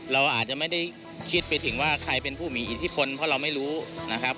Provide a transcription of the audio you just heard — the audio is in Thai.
เราอาจจะไม่ได้คิดไปถึงว่าใครเป็นผู้มีอิทธิพลเพราะเราไม่รู้นะครับ